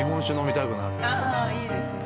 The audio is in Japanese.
あぁいいですね。